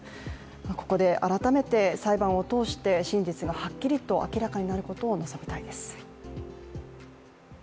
ここで改めて裁判を通して真実がはっきりと明らかになることを望みたいです。